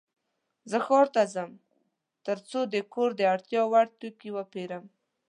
زه ښار ته ځم ترڅو د کور د اړتیا وړ توکې وپيرم.